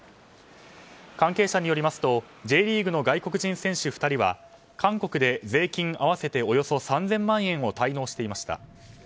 関係者によりますとＪリーグの外国人選手２人は韓国で税金合わせておよそ３０００万円を滞納していました。